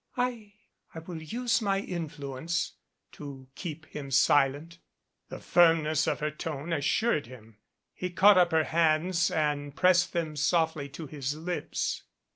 "I I will use my influence to keep him silent." The firmness of her tone assured him. He caught up her hands and pressed them softly to his lips.